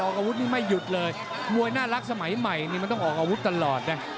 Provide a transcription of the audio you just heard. อาวุธนี่ไม่หยุดเลยมวยน่ารักสมัยใหม่นี่มันต้องออกอาวุธตลอดนะ